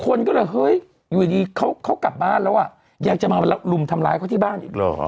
คนก็เลยเฮ้ยอยู่ดีเขากลับบ้านแล้วอ่ะยังจะมารุมทำร้ายเขาที่บ้านอีกเหรอ